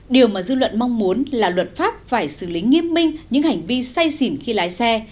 điều mà dư luận mong muốn là luật pháp phải xử lý nghiêm minh những hành vi say xỉn khi lái xe